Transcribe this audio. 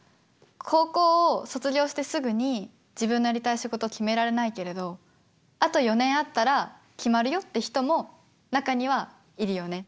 高校を卒業してすぐに自分のやりたい仕事を決められないけれどあと４年あったら決まるよって人も中にはいるよね。